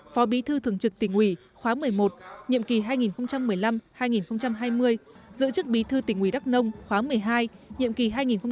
phó bí thư thường trực tỉnh ủy khóa một mươi một nhiệm kỳ hai nghìn một mươi năm hai nghìn hai mươi giữ chức bí thư tỉnh ủy đắk nông khóa một mươi hai nhiệm kỳ hai nghìn hai mươi hai nghìn hai mươi năm